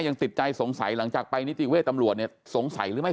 ยังติดใจสงสัยหลังจากไปนิติเวทย์ตำรวจเนี่ยสงสัยหรือไม่